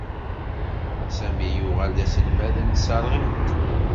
Sami yuɣal d aselmad n tserɣint.